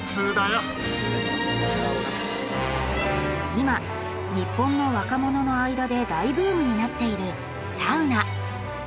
今日本の若者の間で大ブームになっているサウナ。